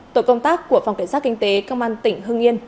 tổ công tác của phòng cảnh sát kinh tế công an tỉnh hưng yên